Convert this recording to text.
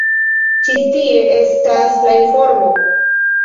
Ĉi tie estas la informo.